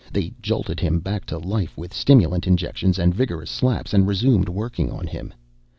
They jolted him back to life with stimulant injections and vigorous slaps and resumed working on him.